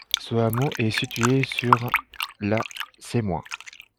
Ce hameau est situé sur la Semois.